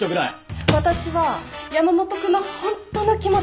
私は山本君のホントの気持ちが知りたいの